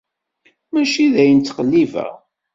Mačči d ayen ttqellibeɣ.